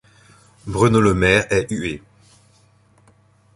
Bruno Le Maire est hué.